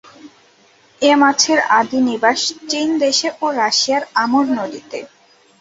এ মাছের আদি নিবাস চীন দেশে ও রাশিয়ার আমুর নদীতে।